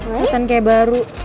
lihatannya kayak baru